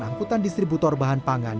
angkutan distributor bahan pangan